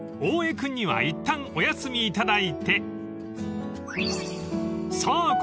［大江君にはいったんお休みいただいてさあ